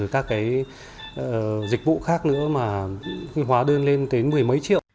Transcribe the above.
các cái dịch vụ khác nữa mà hóa đơn lên tới mười mấy triệu